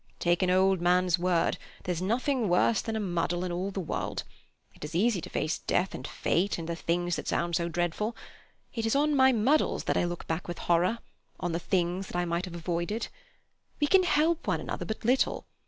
"Take an old man's word; there's nothing worse than a muddle in all the world. It is easy to face Death and Fate, and the things that sound so dreadful. It is on my muddles that I look back with horror—on the things that I might have avoided. We can help one another but little.